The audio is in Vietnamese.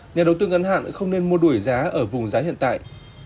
nhà đầu tư ngân hạn không nên mua đuổi giá ở vùng giá hiện tại